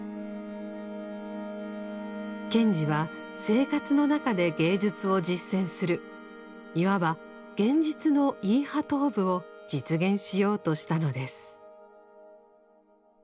賢治は生活の中で芸術を実践するいわば現実の「イーハトーブ」を実現しようとしたのです。